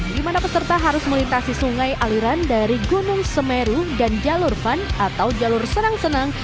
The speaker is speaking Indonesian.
di mana peserta harus melintasi sungai aliran dari gunung semeru dan jalur fun atau jalur serang senang